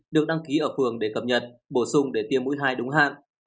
được đăng ký ở phường để cập nhật bổ sung để tiêm mũi hai đúng hạn